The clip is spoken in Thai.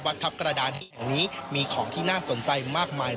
ทัพกระดานแห่งนี้มีของที่น่าสนใจมากมาย